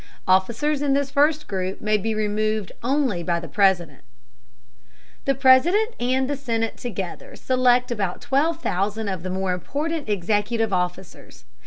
Officers in this first group may be removed only by the President. The President and the Senate together select about 12,000 of the more important executive officers.